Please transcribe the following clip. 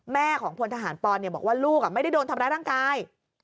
แม่ของพลทหารปอนบอกว่าลูกไม่ได้โดนทำร้ายร่างกาย